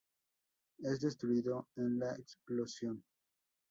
Es destruido en la explosión.